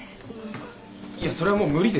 いやそれはもう無理ですよ。